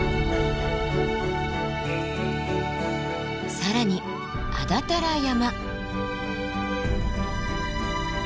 更に安達太良山。